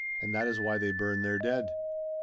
And that is why they burn their dead !